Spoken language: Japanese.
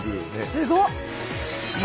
すごっ！